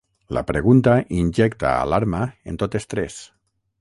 La pregunta injecta alarma en totes tres.